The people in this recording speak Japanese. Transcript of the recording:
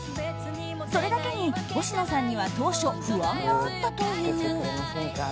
それだけに星野さんには当初不安があったという。